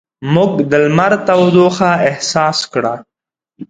موږ د لمر تودوخه احساس کړه.